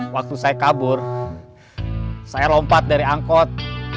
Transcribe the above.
waktu saya kabur saya lompat dari angkot